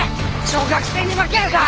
小学生に負けるか！